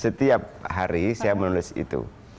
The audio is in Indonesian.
setiap hari saya menulis itu